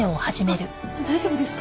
あっ大丈夫ですか？